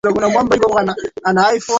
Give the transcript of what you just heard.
riri wa gazeti hilo alnur ahmed amethibitisha